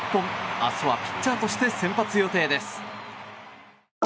明日はピッチャーとして先発予定です。